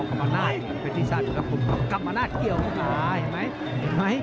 กรรมนาธเกี่ยวพี่ค่ะแบบนี้เห็นไหมแบบมั้ย